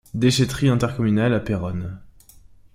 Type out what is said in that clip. Déchetterie intercommunale à Péronne.